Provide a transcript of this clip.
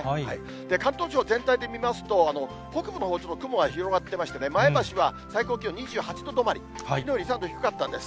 関東地方、全体で見ますと、北部のほう、ちょっと雲が広がってまして、前橋は最高気温２８度止まり、きのうより３度低かったんです。